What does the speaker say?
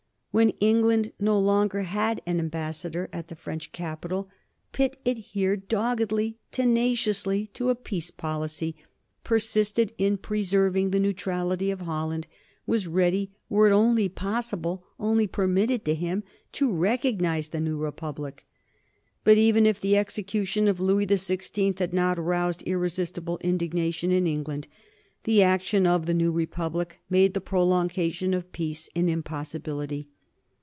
When England no longer had an ambassador at the French capital Pitt adhered doggedly, tenaciously, to a peace policy; persisted in preserving the neutrality of Holland; was ready, were it only possible, only permitted to him, to recognize the new Republic. But even if the execution of Louis the Sixteenth had not roused irresistible indignation in England the action of the new Republic made the prolongation of peace an impossibility.